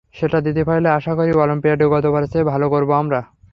সেটা দিতে পারলে আশা করি অলিম্পিয়াডে গতবারের চেয়েও ভালো করব আমরা।